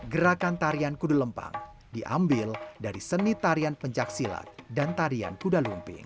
gerakan tarian kudu lempang diambil dari seni tarian pencaksilat dan tarian kuda lumping